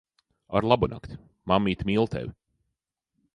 Arlabunakti. Mammīte mīl tevi.